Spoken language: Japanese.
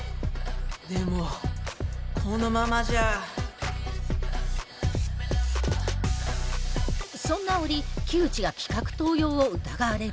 でもこのままじゃそんな折木内が企画盗用を疑われる。